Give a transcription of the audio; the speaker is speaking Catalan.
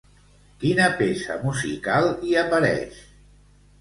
Quina peça musical hi apareix?